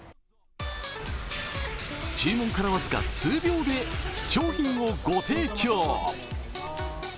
注文から僅か数秒で商品をご提供。